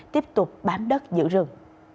tiếp tục bám đất giữ rừng